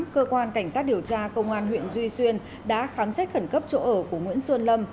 cơ quan cảnh sát điều tra công an huyện duy xuyên đã khám xét khẩn cấp chỗ ở của nguyễn xuân lâm